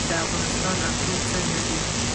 د افغانستان اقلیم څنګه دی؟